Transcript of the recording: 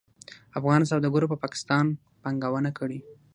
افغان سوداګرو په پاکستان پانګونه کړې.